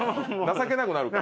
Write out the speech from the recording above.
情けなくなる。